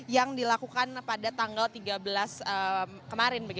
yang dilakukan pada tanggal tiga belas kemarin